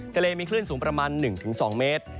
ทะเลมีขึ้นประมาณ๑๒เมตร